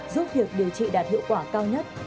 giúp việc điều trị đạt hiệu quả cao nhất